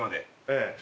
ええ。